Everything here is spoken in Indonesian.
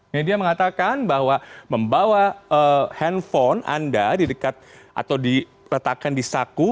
nah dia mengatakan bahwa membawa handphone anda di dekat atau di letakkan di saku